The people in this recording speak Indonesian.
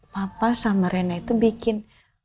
papa sama rena itu bikin